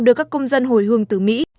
đưa các công dân hồi hương từ mỹ